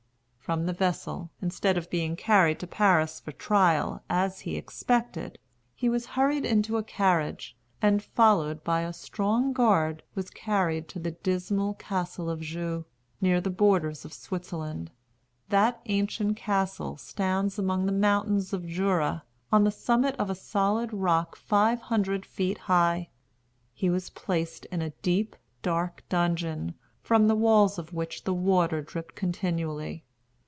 From the vessel, instead of being carried to Paris for trial, as he expected, he was hurried into a carriage, and, followed by a strong guard, was carried to the dismal Castle of Joux, near the borders of Switzerland. That ancient castle stands among the mountains of Jura, on the summit of a solid rock five hundred feet high. He was placed in a deep, dark dungeon, from the walls of which the water dripped continually.